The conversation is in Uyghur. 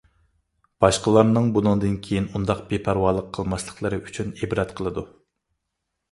باشقىلارنىڭ بۇنىڭدىن كېيىن ئۇنداق بىپەرۋالىق قىلماسلىقلىرى ئۈچۈن ئىبرەت قىلىدۇ.